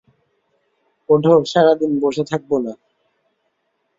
ওঠো, সারাদিন বসে থাকব না!